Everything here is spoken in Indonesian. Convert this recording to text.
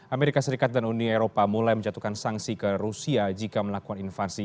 amerika serikat dan uni eropa mulai menjatuhkan sanksi ke rusia jika melakukan invasi